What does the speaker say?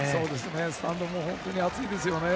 スタンドも本当に暑いですよね。